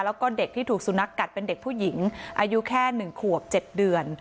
แล้วก็เด็กที่ถูกสุนัขกัดเป็นเด็กผู้หญิงอายุแค่๑ขวบ๗เดือน